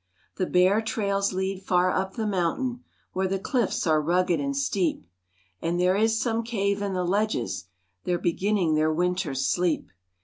The bear trails lead far up the mountain Where the cliffs are rugged and steep, And there is some cave in the ledges, They're beginning their winter's sleep.